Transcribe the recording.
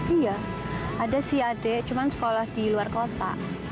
iya ada si adik cuma sekolah di luar kota